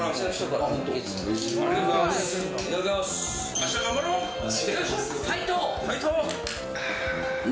明日、頑張ろう！